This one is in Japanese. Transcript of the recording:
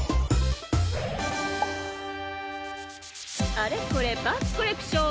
あれこれパンツコレクション！